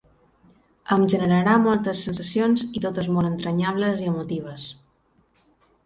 Em generarà moltes sensacions i totes molt entranyables i emotives.